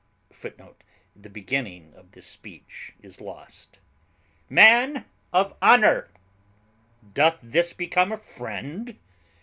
[Footnote: The beginning of this speech is lost.] "Man of honour! doth this become a friend?